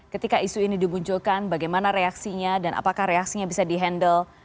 ketika isu ini dimunculkan bagaimana reaksinya dan apakah reaksinya bisa di handle